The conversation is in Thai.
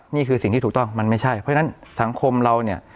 นี่คือสิ่งที่ถูกต้องมันไม่ใช่เพราะฉะนั้นสังคมเราเนี่ย